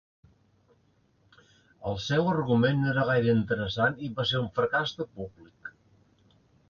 El seu argument no era gaire interessant i va ser un fracàs de públic.